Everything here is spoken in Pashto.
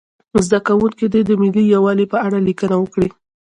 زده کوونکي دې د ملي یووالي په اړه لیکنه وکړي.